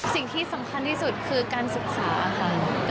สิ่งที่สำคัญที่สุดคือการศึกษาค่ะ